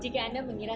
jika anda meniras